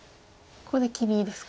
ここで切りですか。